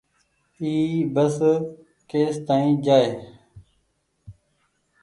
اي بس ڪيس تآئين جآئي۔